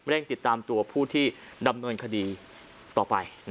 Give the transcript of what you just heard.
ติดตามตัวผู้ที่ดำเนินคดีต่อไป